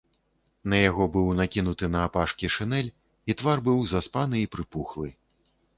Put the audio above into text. На яго быў накінуты наапашкі шынель, і твар быў заспаны і прыпухлы.